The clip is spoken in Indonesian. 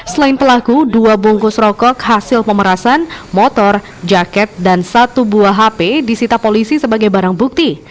selain pelaku dua bungkus rokok hasil pemerasan motor jaket dan satu buah hp disita polisi sebagai barang bukti